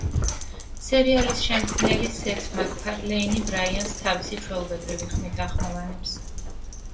სერიალის შემქმნელი, სეთ მაკფარლეინი, ბრაიანს თავისი ჩვეულებრივი ხმით ახმოვანებს.